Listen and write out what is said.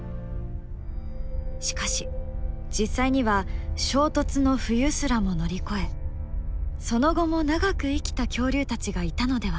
しかし実際には衝突の冬すらも乗り越えその後も長く生きた恐竜たちがいたのではないか。